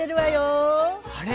あれ？